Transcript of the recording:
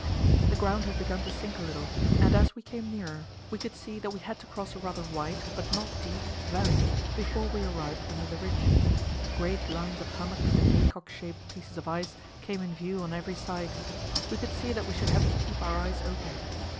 The ground had begun to sink a little, and as we came nearer we could see that we had to cross a rather wide, but not deep, valley before we arrived under the ridge. Great lines of hummocks and haycock shaped pieces of ice came in view on every side; we could see that we should have to keep our eyes open.